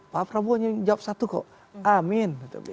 pak prabowo hanya jawab satu kok amin